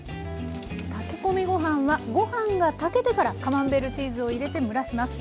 炊き込みご飯はご飯が炊けてからカマンベールチーズを入れて蒸らします。